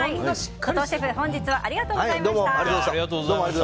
後藤シェフ本日はありがとうございました。